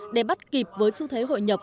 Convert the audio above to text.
để bắt kịp với xu thế hội nhập